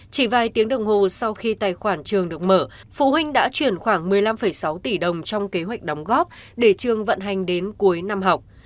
chỉ vài tiếng đồng hồ sau khi tài khoản trường được mở phụ huynh đã chuyển khoảng một mươi năm sáu tỷ đồng trong kế hoạch đóng góp để trường vận hành đến cuối năm học